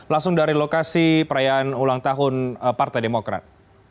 langsung dari lokasi perayaan ulang tahun partai demokrat